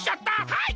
はい！